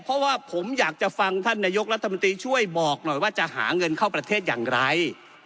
เพราะว่าผมอยากจะฟังท่านนายกรัฐมนตรีช่วยบอกหน่อยว่าจะหาเงินเข้าประเทศอย่างไร